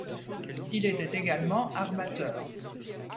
Il était également armateur.